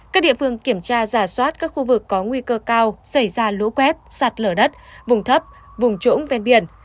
các địa phương kiểm tra giả soát các khu vực có nguy cơ cao xảy ra lũ quét sạt lở đất vùng thấp vùng trũng ven biển